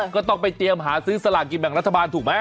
ก็ต้องไปเตรียมหาซื้อสลากกินแบ่งรัฐบาลถูกไหม